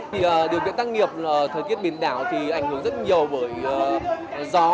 thì điều kiện tác nghiệp thời tiết biển đảo thì ảnh hưởng rất nhiều bởi gió